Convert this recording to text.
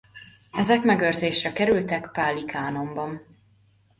Ezek megőrzésre kerültek páli kánonban.